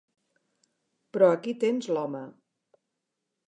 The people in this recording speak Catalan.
Però aquí tens l'home.